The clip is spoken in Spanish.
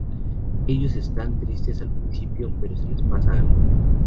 Ellos están tristes al principio, pero se les pasa algo.